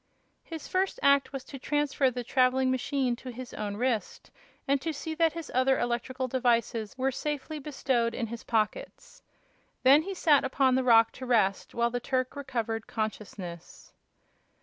His first act was to transfer the traveling machine to his own wrist and to see that his other electrical devices were safely bestowed in his pockets. Then he sat upon the rock to rest until the Turk recovered consciousness.